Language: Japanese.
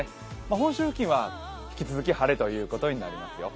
本州付近は引き続き晴れということになりますよ。